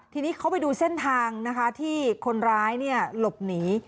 ทีนี้เขาไปดูเส้นทางนะคะที่คนร้ายหลบหนี